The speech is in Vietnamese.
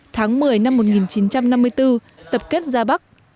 tháng một mươi năm một nghìn chín trăm năm mươi bốn tập kết ra bắc